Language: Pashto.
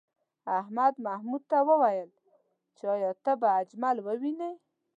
احمد محمود ته وویل چې ایا ته به اجمل ووینې؟